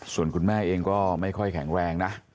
ส่วนคุณแม่เองก็ไม่ค่อยแข็งแรงนะ